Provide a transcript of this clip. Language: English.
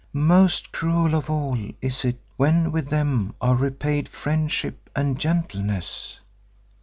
Most cruel of all is it when with them are repaid friendship and gentleness."